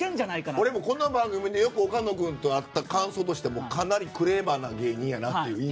俺、この番組でよく岡野君と会った感想としてかなりクレバーな芸人やなって。